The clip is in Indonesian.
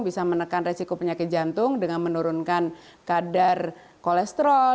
bisa menekan resiko penyakit jantung dengan menurunkan kadar kolesterol